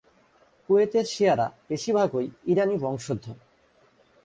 কুয়েতের শিয়ারা বেশিরভাগই ইরানী বংশধর।